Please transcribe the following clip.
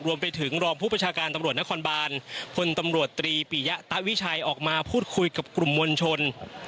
รวมไปถึงรองผู้ประชาการตำรวจนครบานพลตำรวจตรีปิยะตะวิชัยออกมาพูดคุยกับกลุ่มมวลชน